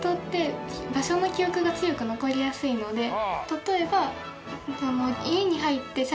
例えば。